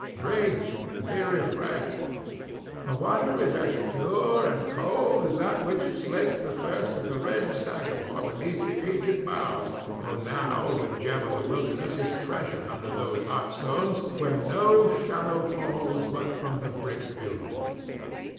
Drink and be refreshed. The water is as pure and cold as that which slaked the thirst of the red sagamore beneath the aged boughs, though now the gem of the wilderness is treasured under these hot stones, where no shadow falls but from the brick buildings.